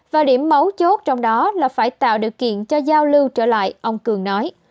và điểm mấu chốt trong đó là phải tạo điều kiện cho giao lưu trở lại ông cường nói